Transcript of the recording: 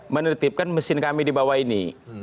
menertibkan mesin kami di bawah ini